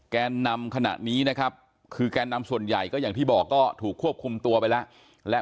แกนนำขณะนี้นะครับคือแกนนำส่วนใหญ่ก็อย่างที่บอกก็ถูกควบคุมตัวไปแล้วและ